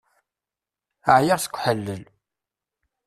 Ɛyiɣ seg uḥellel.